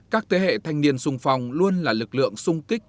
các thế hệ thanh niên sung phong luôn là lực lượng sung kích